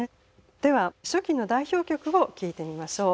では初期の代表曲を聴いてみましょう。